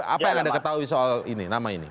apa yang anda ketahui soal ini nama ini